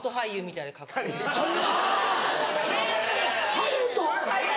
ハリウッド？